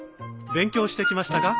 勉強してきましたか？